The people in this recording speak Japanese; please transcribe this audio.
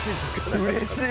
うれしい。